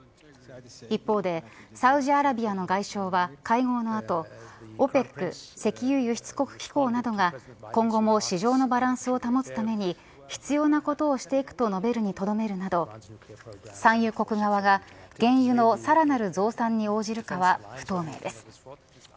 一方で、サウジアラビアの外相は会合の後ＯＰＥＣ、石油輸出国機構などが今後も市場のバランスを保つために必要なことをしていくと述べるにとどめるなど産油国側が原油のさらなる増産に応じるかは不透明です。